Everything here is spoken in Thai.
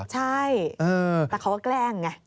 ใช่แต่เขาก็แกล้งไง